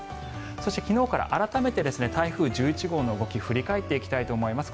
そして、昨日から改めて台風１１号の動きを振り返っていきたいと思います。